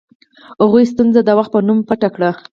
هغوی ستونزه د وخت په نوم پټه کړه.